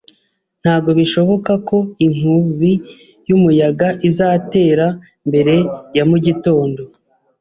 Ntabwo bishoboka ko inkubi y'umuyaga izatera mbere ya mu gitondo.